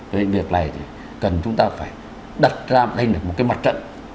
cho nên việc này thì cần chúng ta phải đặt ra lên một cái mặt trận